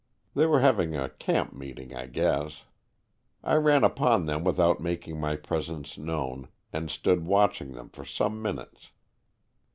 They were hav ing a camp meeting, I guess. I ran upon them without making my presence known and stood watching them for some minutes.